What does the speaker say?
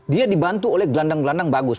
dia dibantu oleh gelandang gelandang bagus